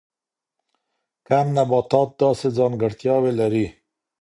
کم نباتات داسې ځانګړتیاوې لري.